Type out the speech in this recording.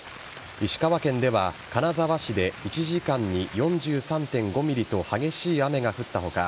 石川県では金沢市で１時間に４３．５ｍｍと激しい雨が降った他